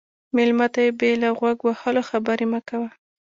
مېلمه ته بې له غوږ وهلو خبرې مه کوه.